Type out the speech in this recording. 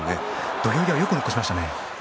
土俵際、よく残しましたね。